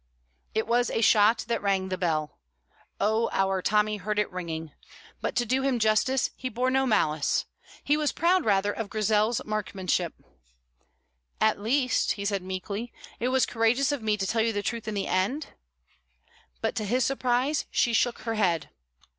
It was a shot that rang the bell. Oh, our Tommy heard it ringing. But, to do him justice, he bore no malice; he was proud, rather, of Grizel's marksmanship. "At least," he said meekly, "it was courageous of me to tell you the truth in the end?" But, to his surprise, she shook her head.